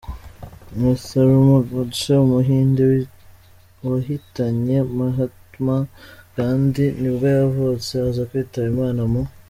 Nathuram Godse, umuhinde wahitanye Mahatma Gandhi, nibwo yavutse, aza kwitaba Imana mu .